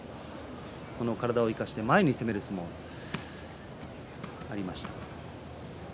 体を生かして前に出る相撲もあります。